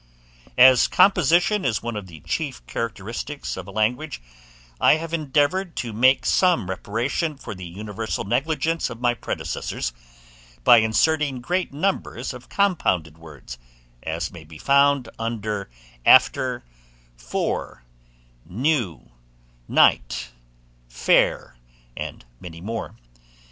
As composition is one of the chief characteristicks of a language, I have endeavoured to make some reparation for the universal negligence of my predecessors, by inserting great numbers of compounded words, as may be found under after, fore, new, night, fair, and many more.